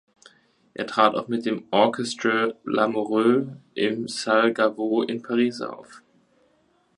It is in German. Er trat auch mit dem Orchestre Lamoureux im Salle Gaveau in Paris auf.